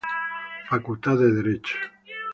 Facultad de Derecho.